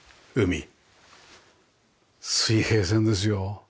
水平線ですよ。